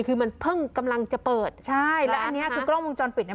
คือมันเพิ่งกำลังจะเปิดใช่แล้วอันเนี้ยคือกล้องวงจรปิดเนี้ย